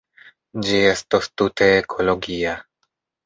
Ĝi estos tute ekologia.